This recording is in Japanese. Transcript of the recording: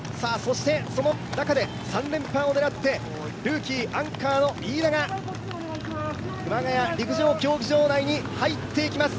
その中で３連覇を狙ってルーキー、アンカーの飯田が熊谷陸上競技場内へ入っていきます